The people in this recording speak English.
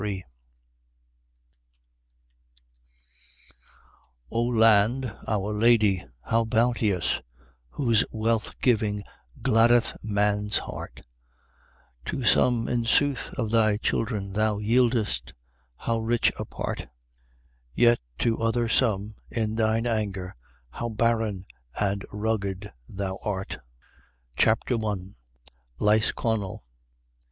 O Land oar Lady, all bounteous, whose wealth giving gladdeth man*s heart, To some, in sooth, of thy children thou yieldest how rich a part, Yet to other some, in thine anger, how barren and rugged thou ait. * Mercantile Library. NEW YORK. CHAPTER L LISCONNEL.